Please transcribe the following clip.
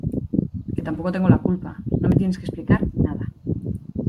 que tampoco tengo la culpa. no me tienes que explicar nada .